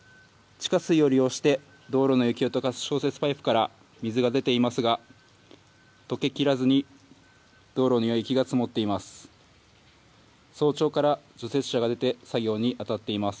地下水を利用して、道路の雪をとかす消雪パイプから水が出ていますが、とけきらずに、道路には雪が積もっています。